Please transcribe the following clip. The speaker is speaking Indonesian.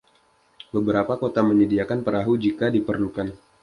Beberapa kota menyediakan perahu jika diperlukan.